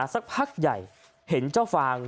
สักพักใหญ่เห็นเจ้าฟาง